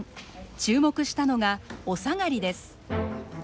注目したのがおさがりです。